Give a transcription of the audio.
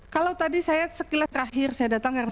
kalau tadi saya sekilas terakhir saya datang herman